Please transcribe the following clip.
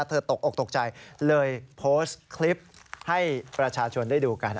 ตกออกตกใจเลยโพสต์คลิปให้ประชาชนได้ดูกัน